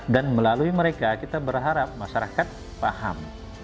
dan melalui mereka kita berharap masyarakat paham